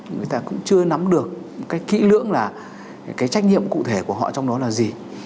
người ta cũng chưa nắm được cái kỹ lưỡng là cái trách nhiệm cụ thể của họ trong đó là gì